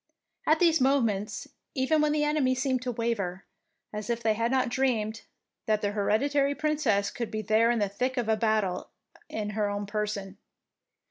At these moments even the enemy seemed to waver, as if they had not dreamed that their hereditary Princess could be there in the thick of battle in her own person.